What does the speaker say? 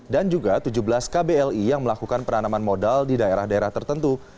dan juga tujuh belas kbli yang melakukan penanaman modal di daerah daerah tertentu